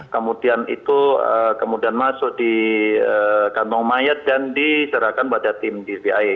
kemudian itu kemudian masuk di kantong mayat dan diserahkan pada tim dvi